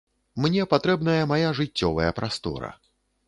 Мне патрэбная мая жыццёвая прастора.